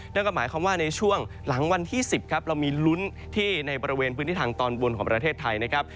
นั่นก็หมายความว่าในช่วงหลังวันที่๑๐ครับเรามีลุ้นที่ในบริเวณพื้นที่ทางตอนบนของประเทศไทยนะครับ